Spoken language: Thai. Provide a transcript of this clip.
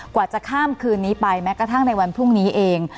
กว่าจะข้ามคืนนี้ไปแม้กระทั่งในวันพรุ่งนี้เอง